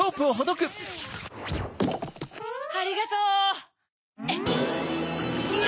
ありがとう！な！